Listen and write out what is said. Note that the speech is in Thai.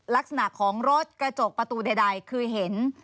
ลักษณะของรถกระจกประตูใดคือเห็น